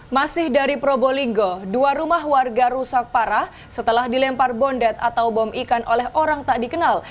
masih dari probolinggo dua rumah warga rusak parah setelah dilempar bondet atau bom ikan oleh orang tak dikenal